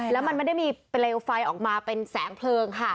แล้วมันไม่ได้มีเปลวไฟออกมาเป็นแสงเพลิงค่ะ